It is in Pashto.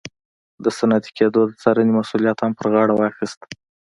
د صنعتي کېدو د څارنې مسوولیت هم پر غاړه واخیست.